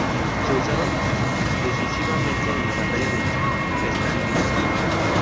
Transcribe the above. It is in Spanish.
Se usaron decisivamente en la Batalla de Stalingrado.